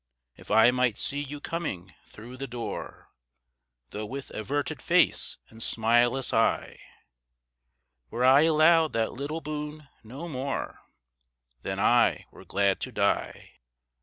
If I might see you coming through the door, Though with averted face and smileless eye, Were I allowed that little boon, no more, Then I were glad to die.